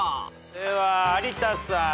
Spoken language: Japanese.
では有田さん。